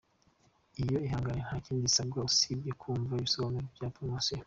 Iyo ihaagaye nta kindi usabwa usibye kumva ibisobanuro bya promosiyo.